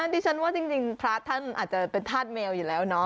ดิฉันว่าจริงพระท่านอาจจะเป็นธาตุแมวอยู่แล้วเนาะ